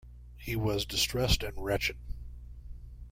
He was distressed and wretched.